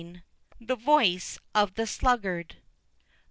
_) THE VOICE OF THE SLUGGARD.